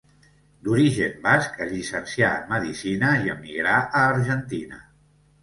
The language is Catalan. D'origen basc, es llicencià en medicina i emigrà a Argentina.